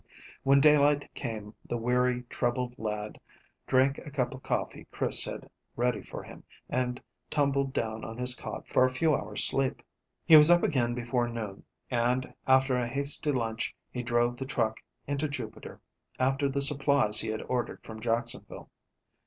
When daylight came the weary, troubled lad drank a cup of coffee Chris had ready for him and tumbled down on his cot for a few hours' sleep. He was up again before noon, and after a hasty lunch he drove the truck into Jupiter after the supplies he had ordered from Jacksonville.